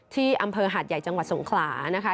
ที่อำเภอหาดใหญ่จังหวัดสงขลานะคะ